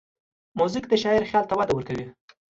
موزیک د شاعر خیال ته وده ورکوي.